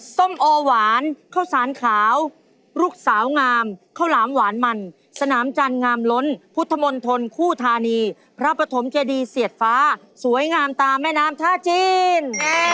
ส้มโอหวานข้าวสารขาวลูกสาวงามข้าวหลามหวานมันสนามจันทร์งามล้นพุทธมนตรคู่ธานีพระปฐมเจดีเสียดฟ้าสวยงามตามแม่น้ำท่าจีน